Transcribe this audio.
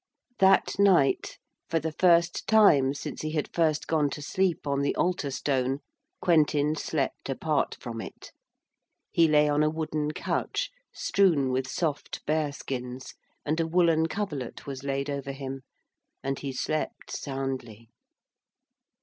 That night, for the first time since he had first gone to sleep on the altar stone, Quentin slept apart from it. He lay on a wooden couch strewn with soft bear skins, and a woollen coverlet was laid over him. And he slept soundly.